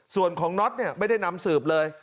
ส่วนของน็อตไม่ได้นำสืบเลย